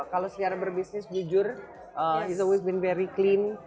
kalau secara berbisnis jujur dia selalu sangat bersih